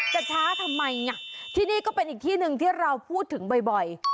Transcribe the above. จะช้าทำไมที่นี่ก็เป็นอีกที่หนึ่งที่เราพูดถึงบ่อย